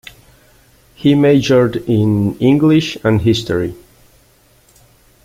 He majored in English and History.